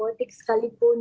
atau ke apotek sekalipun